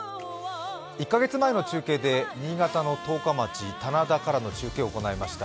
１か月前の中継で新潟の十日町棚田からの中継を行いまひた。